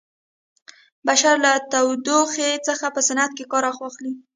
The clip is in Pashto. بشر له تودوخې څخه په صنعت کې کار واخلي.